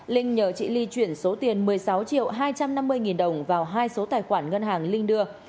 linh nhờ chị ly chuyển số tiền một mươi sáu triệu hai trăm năm mươi nghìn đồng vào hai số tài khoản ngân hàng linh đưa